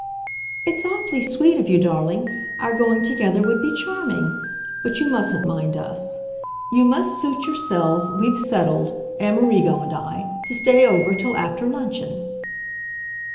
"It's awfully sweet of you, darling our going together would be charming. But you mustn't mind us you must suit yourselves we've settled, Amerigo and I, to stay over till after luncheon."